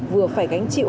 vừa phải gánh chịu